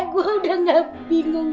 gue udah gak bingung